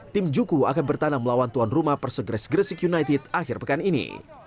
tim juku akan bertandang melawan tuan rumah persegres gresik united akhir pekan ini